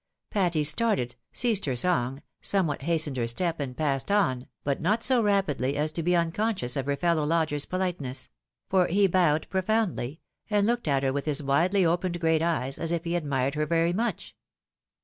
Patty started, ceased her song, somewhat hastened her step, and passed on, but not so rapidly as to be unconscious of her fellow lodger's politeness ; for he bowed profoundly, and looked at her with his widely opened great eyes, as if he admired her very much.